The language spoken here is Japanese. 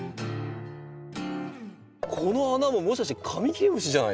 この穴ももしかしてカミキリムシじゃないですか？